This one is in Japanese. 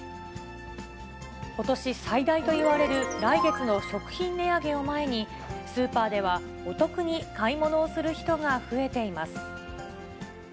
ことし最大といわれる来月の食品値上げを前に、スーパーではお得に買い物をする人が増えています。